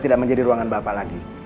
tidak menjadi ruangan bapak lagi